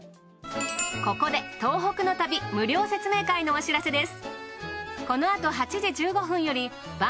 ここで東北の旅無料説明会のお知らせです。